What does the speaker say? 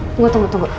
tunggu tunggu tunggu